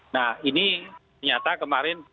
nah ini ternyata kemarin